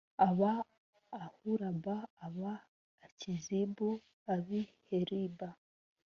aba Ahulaba, aba Akizibu, ab’i Heliba,